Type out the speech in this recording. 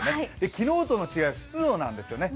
昨日との違いは湿度なんですね。